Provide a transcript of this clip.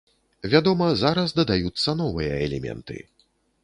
Вядома, зараз дадаюцца новыя элементы.